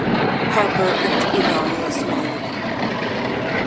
Harper and Evan lose Mallory.